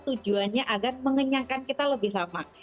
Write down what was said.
tujuannya agar mengenyangkan kita lebih lama